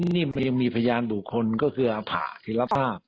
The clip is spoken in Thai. นี่มันยังมีพยานบุคคลก็คืออภาพที่รับภาพ